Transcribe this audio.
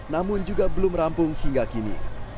namun juga belum rampung hingga kini